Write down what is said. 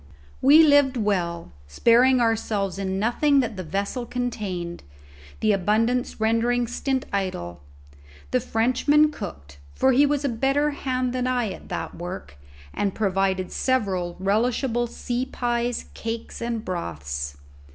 We lived well, sparing ourselves in nothing that the vessel contained, the abundance rendering stint idle; the Frenchman cooked, for he was a better hand than I at that work, and provided several relishable sea pies, cakes, and broths.